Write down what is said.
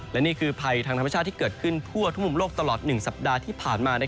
และนี่คือภัยทางธรรมชาติที่เกิดขึ้นทั่วทุกมุมโลกตลอด๑สัปดาห์ที่ผ่านมา